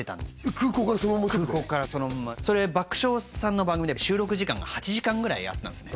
空港からそのままそれ爆笑さんの番組で収録時間が８時間ぐらいあったんですね